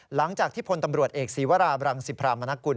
หลังจากที่พลตำรวจเอกศีวราบรังสิพรามนกุล